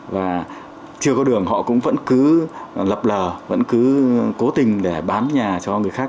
và chưa có đường họ cũng vẫn cứ lập lờ vẫn cứ cố tình để bán nhà cho người khác